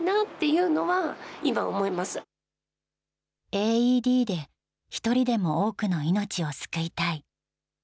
ＡＥＤで１人でも多くの命を救いたい。